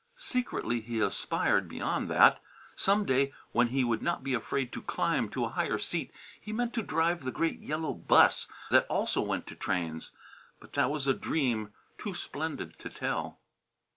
Secretly he aspired beyond that. Some day, when he would not be afraid to climb to a higher seat, he meant to drive the great yellow 'bus that also went to trains. But that was a dream too splendid to tell.